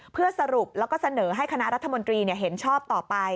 เพื่อสรุปแล้วก็เสนอให้คณะรัฐมนตรีเห็นชอบต่อไป